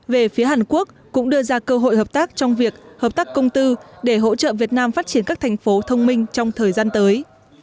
về phía hàn quốc cũng đưa ra cơ hội hợp tác trong việc hợp tác công tư để hỗ trợ việt nam phát triển các thành phố thông minh trong thời gian tới